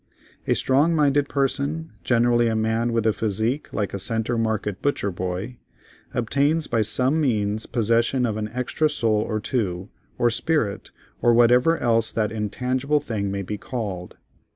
A strong minded person, generally a man with a physique like a Centre Market butcher boy, obtains by some means possession of an extra soul or two, or spirit, or whatever else that intangible thing may be called.